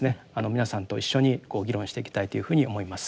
皆さんと一緒にこう議論していきたいというふうに思います。